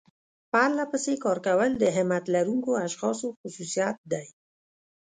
پرلپسې کار کول د همت لرونکو اشخاصو خصوصيت دی.